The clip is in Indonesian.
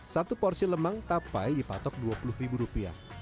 satu porsi lemang tapai dipatok rp dua puluh